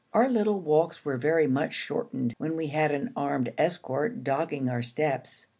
Our little walks were very much shortened when we had an armed escort dogging our steps.